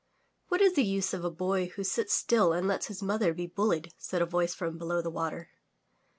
''What is the use of a boy who sits still and lets his mother be bullied?'' said a voice from below the water.